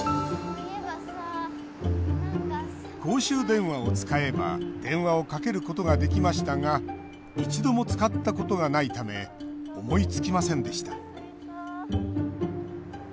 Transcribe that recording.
公衆電話を使えば電話をかけることができましたが一度も使ったことがないため思いつきませんでした。